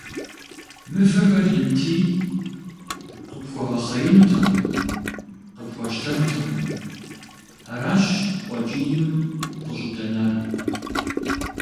Мывэхэр инти, къыпхуэгъэхъеинутэкъым, къыпхуэщтэнутэкъым, аращ къуэкӀийм къыщӀыдэнар.